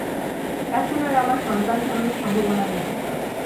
এখন আর আমার সন্তান ধারণের সম্ভাবনা নেই।